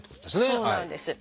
そうなんです。